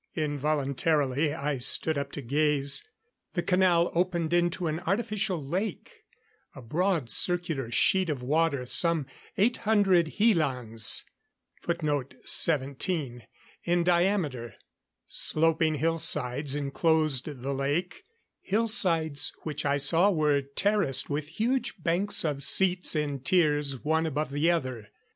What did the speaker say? Involuntarily I stood up to gaze. The canal opened into an artificial lake a broad circular sheet of water some 800 helans in diameter. Sloping hillsides enclosed the lake hillsides which I saw were terraced with huge banks of seats in tiers one above the other.